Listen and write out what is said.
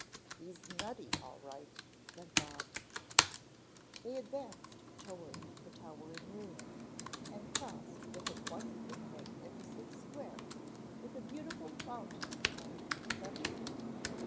"He's nutty, all right," said Bob. They advanced toward the towering ruin, and crossed what had once been a magnificent Square with a beautiful fountain playing in the centre.